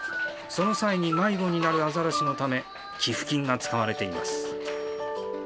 その際に迷子になるアザラシのため、寄付金が使われています。